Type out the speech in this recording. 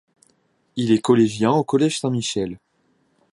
Il est collégien au Collège Saint-Michel.